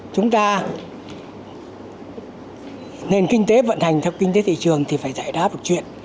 chúng ta nên kinh tế vận hành theo kinh tế thị trường thì phải giải đáp được chuyện